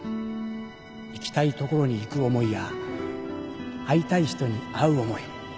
行きたい所に行く思いや会いたい人に会う思い